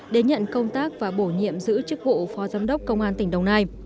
đến nhận công tác và bổ nhiệm giữ chức vụ phó giám đốc công an tỉnh đồng nai